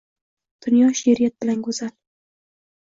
Dunyo she’riyat bilan go‘zal